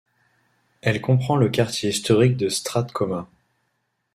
Elle comprend le quartier historique de Strathcona.